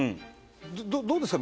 どどうですか？